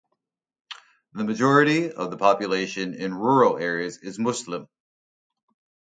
The majority of the population in rural areas is Muslim.